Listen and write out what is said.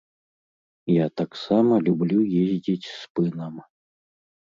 Я таксама люблю ездзіць спынам.